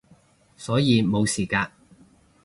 所以冇事嘅